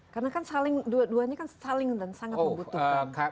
karena kan dua duanya kan saling dan sangat membutuhkan